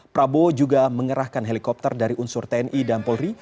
prabowo juga mengerahkan helikopter dari unsur tni dan polri